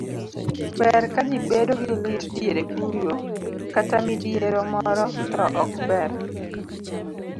ber ka ji bedo gi lit diere kuyo kata midhiero moro to ok ber